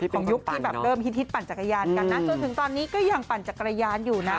ยุคที่แบบเริ่มฮิตปั่นจักรยานกันนะจนถึงตอนนี้ก็ยังปั่นจักรยานอยู่นะ